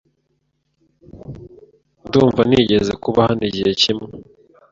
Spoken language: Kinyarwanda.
Ndumva nigeze kuba hano igihe kimwe.